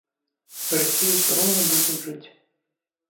Расія ўсё роўна будзе жыць.